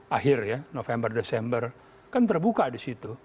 dua ribu lima belas akhir ya november december kan terbuka di situ